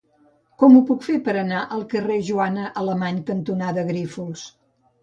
Com ho puc fer per anar al carrer Joana Alemany cantonada Grífols?